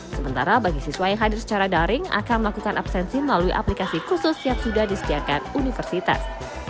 sementara bagi siswa yang hadir secara daring akan melakukan absensi melalui aplikasi khusus yang sudah disediakan universitas